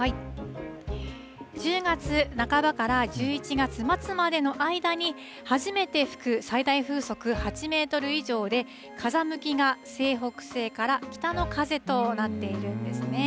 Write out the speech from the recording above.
１０月半ばから１１月末までの間に初めて吹く最大風速８メートル以上で、風向きが西北西から北の風となっているんですね。